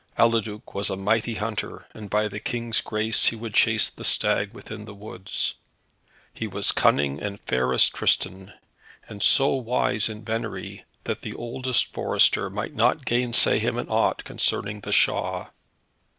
Eliduc was a mighty hunter, and by the King's grace, he would chase the stag within the woods. He was cunning and fair as Tristan, and so wise in venery, that the oldest forester might not gainsay him in aught concerning the shaw.